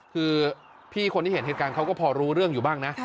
คือพี่คนที่เห็นเหตุการณ์เขาก็พอรู้เรื่องอยู่บ้างนะ